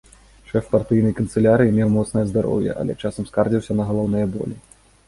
Шэф партыйнай канцылярыі меў моцнае здароўе, але часам скардзіўся на галаўныя болі.